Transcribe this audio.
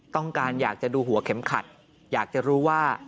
ต้องการอยากจะดูหัวเข็มขัดอยากจะรู้ว่า